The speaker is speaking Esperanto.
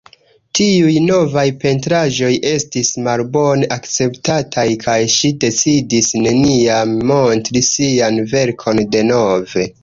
Tiuj novaj pentraĵoj estis malbone akceptataj, kaj ŝi decidis neniam montri sian verkon denove.